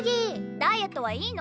ダイエットはいいの？